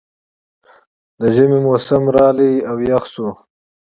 د ژمي موسم راغی او یخ شو